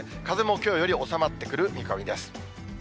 風もきょうより収まってくる見込みです。